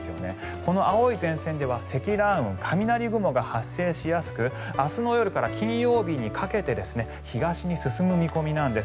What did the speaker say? この青い前線では積乱雲、雷雲が発生しやすく明日の夜から金曜日にかけて東に進む見込みなんです。